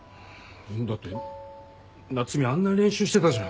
だって夏海あんなに練習してたじゃん。